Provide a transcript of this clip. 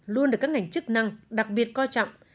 luôn được các ngành chức năng đặc biệt coi trọng